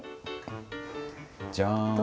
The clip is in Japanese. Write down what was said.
じゃん。